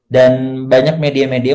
dan banyak media media